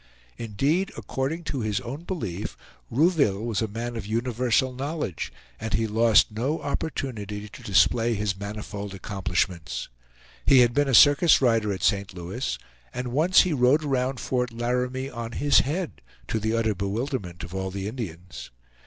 Indeed, according to his own belief, Rouville was a man of universal knowledge, and he lost no opportunity to display his manifold accomplishments. He had been a circus rider at St. Louis, and once he rode round Fort Laramie on his head, to the utter bewilderment of all the Indians.